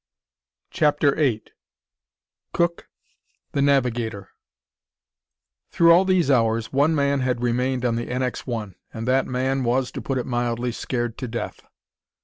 CHAPTER VIII Cook, the Navigator Through all these hours, one man had remained on the NX 1, and that man was, to put it mildly, scared to death.